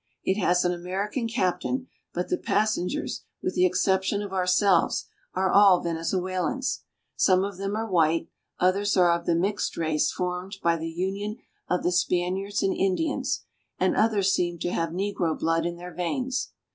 It has an American captain, but the passengers, with the exception of ourselves, are all Venezuelans. Some of them are white, others are of the mixed race formed by the union of the Spaniards and Indians, and others seem to have negro blood in their veins.